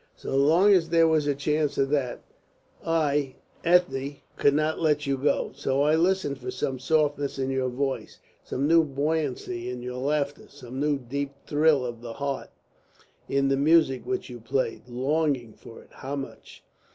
So long as there was a chance of that, I Ethne, I could not let you go. So, I listened for some new softness in your voice, some new buoyancy in your laughter, some new deep thrill of the heart in the music which you played, longing for it how much!